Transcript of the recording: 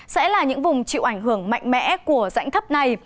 sẽ là những vùng chịu ảnh hưởng mạnh mẽ